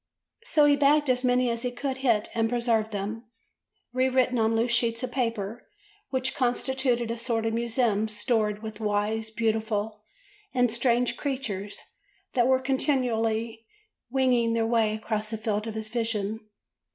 So he bagged as many as he could hit and preserved them, re written on loose sheets of paper which constituted a sort of museum stored with the wise, beautiful, and strange creatures that were continually winging their way across the field of his vision.